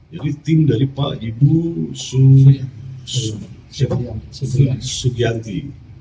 jadi tim dari pak ibu sugianti